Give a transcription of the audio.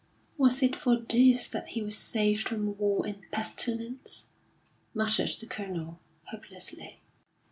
"Was it for this that he was saved from war and pestilence?" muttered the Colonel, hopelessly.